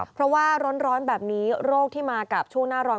เพราะว่าร้อนแบบนี้โรคที่มากับช่วงหน้าร้อน